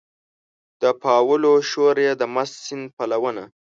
د پاولو شور یې د مست سیند پلونه